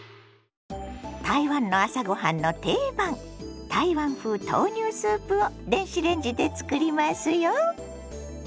台湾の朝ごはんの定番台湾風豆乳スープを電子レンジで作りますよ。